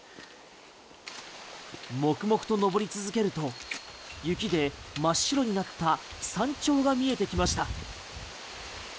黙々と登り続けると雪で真っ白になった山頂が見えてきました。